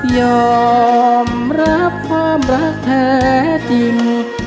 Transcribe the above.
ยอมรับความรักแท้จริง